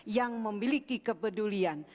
yang memiliki kepedulian